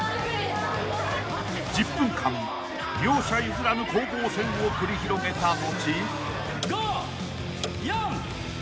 ［１０分間両者譲らぬ攻防戦を繰り広げた後］